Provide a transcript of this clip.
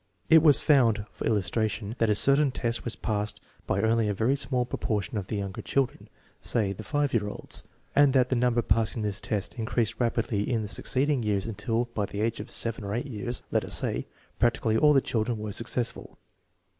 It was found, for illustration, that a certain test was passed THE BINET SIMON METHOD 37 by only a very small proportion of the younger children, say the 5 year olds, and that the number passing this test increased rapidly in the succeeding years until by the age of 7 or 8 years, let us say, practically all the children were successful.